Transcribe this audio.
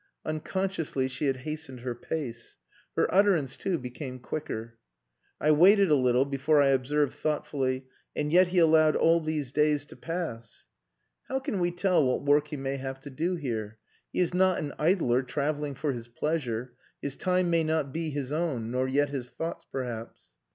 Unconsciously she had hastened her pace. Her utterance, too, became quicker. I waited a little before I observed thoughtfully "And yet he allowed all these days to pass." "How can we tell what work he may have to do here? He is not an idler travelling for his pleasure. His time may not be his own nor yet his thoughts, perhaps."